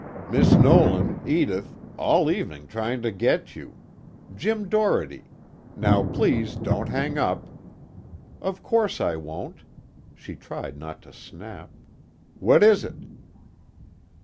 "Miss Nolan Edith all evening trying to get you. Jim Doherty now please don't hang up." "Of course I won't." She tried not to snap. "What is it?"